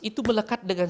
itu melekat dengan